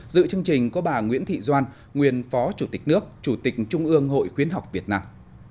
dự chương trình có bà nguyễn thị doan nguyên phó chủ tịch nước chủ tịch trung ương hội khuyến học việt nam